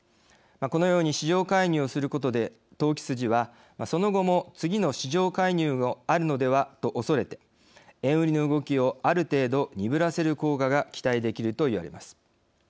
このように市場介入をすることで投機筋は、その後も次の市場介入があるのではとおそれて、円売りの動きをある程度、鈍らせる効果が期待できるといわれます。